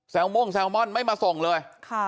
ลม่งแซลมอนไม่มาส่งเลย